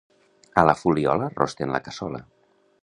A la Fuliola rosten la cassola.